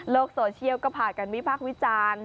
โลกโซเชียลก็ผ่านกันวิพักวิจารณ์